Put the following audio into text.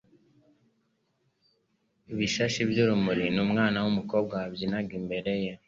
bishashi by'urumuri, n'umwana w'umukobwa wabyinaga imbere ye.